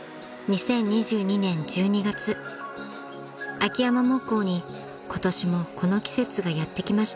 ［秋山木工に今年もこの季節がやって来ました］